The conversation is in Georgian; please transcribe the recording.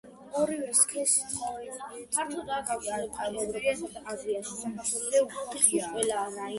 ორივე სქესის ცხოველის ბეწვი რუხი ან ყავისფერია, დრუნჩზე უფრო ღიაა.